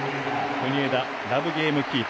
国枝、ラブゲームキープ。